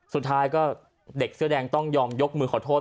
สุดท้ายก็เด็กเสื้อแดงต้องยอมยกมือขอโทษ